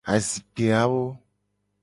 Azikpe awo.